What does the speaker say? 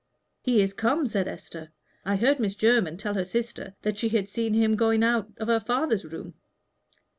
"He is come," said Esther. "I heard Miss Jermyn tell her sister that she had seen him going out of her father's room."